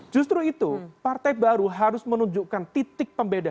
justru itu partai baru harus menunjukkan titik pembeda